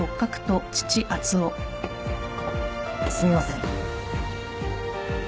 すみません。